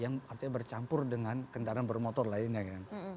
yang artinya bercampur dengan kendaraan bermotor lainnya kan